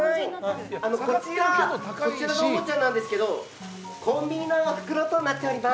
こちらのおもちゃなんですがコンビニの袋となっております。